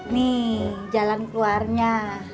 nih jalan keluarnya